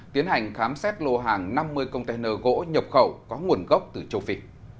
tiến hành khám xét lô hàng năm mươi container gỗ nhập khẩu có nguồn gốc từ châu phi